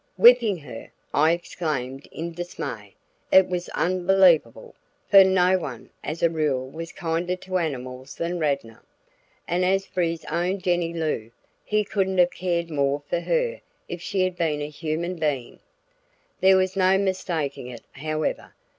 "Whipping her!" I exclaimed in dismay. It was unbelievable, for no one as a rule was kinder to animals than Radnor; and as for his own Jennie Loo, he couldn't have cared more for her if she had been a human being. There was no mistaking it however.